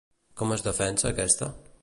Com es defensa aquesta?